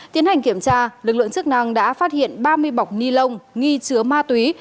tiến hành kiểm tra lực lượng chức năng đã phát hiện ba mươi bọc ni lông nghi chứa ma túy